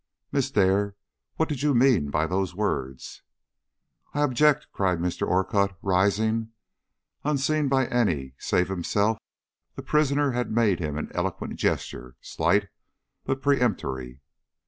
"Miss Dare, what did you mean by those words?" "I object!" cried Mr. Orcutt, rising. Unseen by any save himself, the prisoner had made him an eloquent gesture, slight, but peremptory.